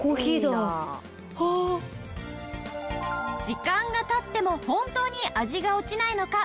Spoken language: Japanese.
時間が経っても本当に味が落ちないのか？